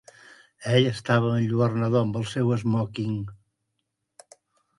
Ell estava enlluernador amb el seu esmòquing.